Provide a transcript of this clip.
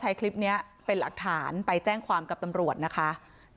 แต่คนที่เบิ้ลเครื่องรถจักรยานยนต์แล้วเค้าก็ลากคนนั้นมาทำร้ายร่างกาย